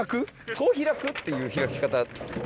こう開く？っていう開き方。